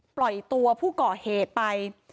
ปล่อยตัวผู้ก่อเหตุไป